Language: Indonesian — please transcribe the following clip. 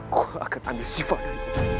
gua akan ambil sifah dari lu